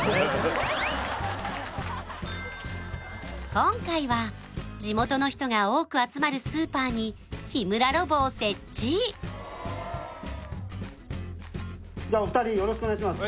今回は地元の人が多く集まるスーパーに日村ロボを設置よろしくお願いします